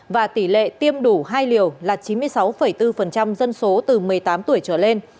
và tỷ lệ tiêm đủ hai liều là chín mươi sáu bốn dân số từ một mươi tám tuổi trở lên